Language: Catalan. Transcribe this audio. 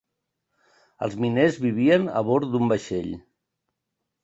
Els miners vivien a bord d’un vaixell.